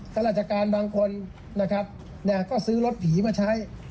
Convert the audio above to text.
กรรจการบางคนก็ซื้อรถผีมาใช้